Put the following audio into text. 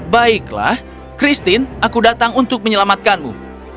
baiklah christine aku datang untuk menyelamatkanmu